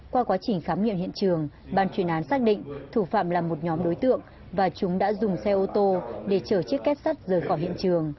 qua quá trình khám nghiệm hiện trường ban chuyên án xác định thủ phạm là một nhóm đối tượng và chúng đã dùng xe ô tô để chở chiếc kết sắt rời khỏi hiện trường